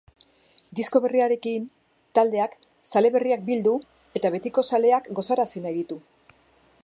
Disko berriarekin, taldeak zale berriak bildu eta betiko zaleeak gozarazi nahi ditu.